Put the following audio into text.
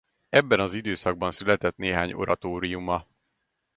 Ebben az időszakban született néhány oratóriuma.